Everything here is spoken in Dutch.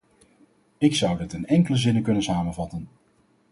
Ik zou dat in enkele zinnen kunnen samenvatten.